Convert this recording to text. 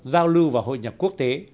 giao lưu và hội nhập quốc tế